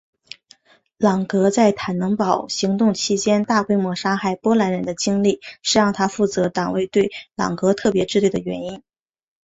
朗格在坦能堡行动期间大规模杀害波兰人的经历是让他负责党卫队朗格特别支队的原因。